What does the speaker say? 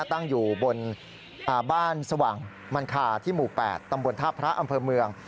ตั้งอยู่บนบ้านสว่างมันคาที่หมู่๘ตำบลท่าพระอำเภอเมือง